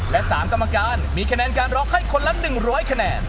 และ๓กรรมการมีคะแนนการร้องให้คนละ๑๐๐คะแนน